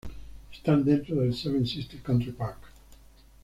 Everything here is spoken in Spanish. Están dentro del Seven Sisters Country Park.